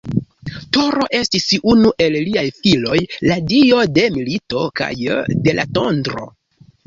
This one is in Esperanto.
Toro estis unu el liaj filoj, la dio de milito kaj de la tondro.